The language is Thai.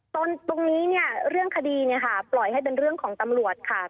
ตรงนี้เรื่องคดีปล่อยให้เป็นเรื่องของตำรวจค่ะ